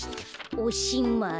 おしまい」。